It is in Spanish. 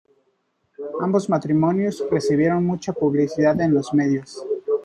Ambos matrimonios recibieron mucha publicidad en los medios.